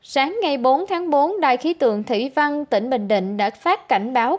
sáng ngày bốn tháng bốn đài khí tượng thủy văn tỉnh bình định đã phát cảnh báo